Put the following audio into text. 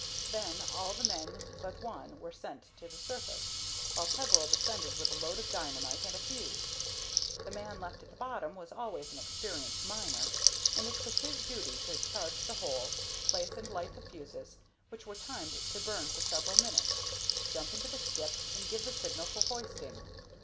Then all the men but one were sent to the surface, while Peveril descended with a load of dynamite and a fuse. The man left at the bottom was always an experienced miner, and it was his duty to charge the holes, place and light the fuses, which were timed to burn for several minutes, jump into the skip and give the signal for hoisting.